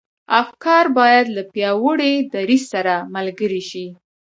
افکار بايد له پياوړي دريځ سره ملګري شي.